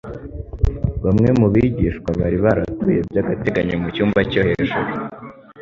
Bamwe mu bigishwa bari baratuye by'agateganyo mu cyumba cyo hejuru